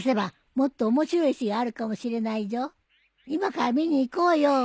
今から見に行こうよ。